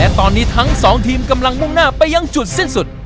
และตอนนี้ทั้งสองทีมกำลังมุ่งหน้าไปยังจุดสิ้นสุด